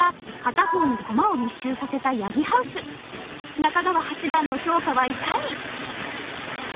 中川八段の評価はいかに？